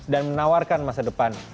dan menawarkan masa depan